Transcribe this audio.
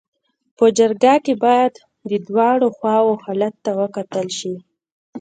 په جرګه کي باید د دواړو خواو حالت ته وکتل سي.